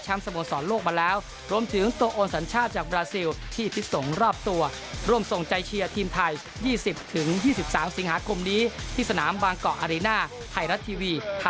แชมป์สมสอสโลกมาแล้ว